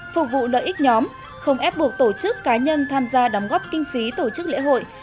phục vụ lợi ích nhóm không ép buộc tổ chức cá nhân tham gia đóng góp kinh phí tổ chức lễ hội